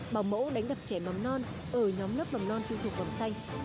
bà mẫu đánh đập trẻ mắm non ở nhóm lớp mắm non tuy thuộc vòng xanh